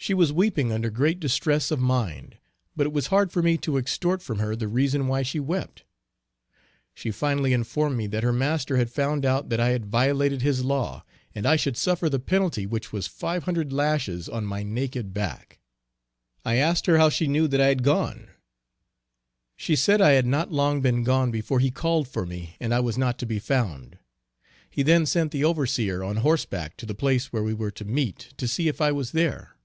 She was weeping under great distress of mind, but it was hard for me to extort from her the reason why she wept. She finally informed me that her master had found out that I had violated his law, and I should suffer the penalty, which was five hundred lashes, on my naked back. I asked her how he knew that I had gone? She said I had not long been gone before he called for me and I was not to be found. He then sent the overseer on horseback to the place where we were to meet to see if I was there.